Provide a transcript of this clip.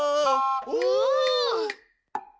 お！